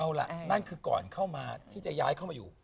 เอาล่ะนั่นคือก่อนเข้ามาที่จะย้ายเข้ามาอยู่